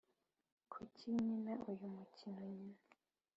kuki nkina uyu mukino nkina?